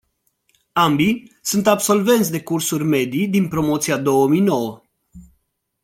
Ambii, sunt absolvenți de cursuri medii din promoția două mii nouă.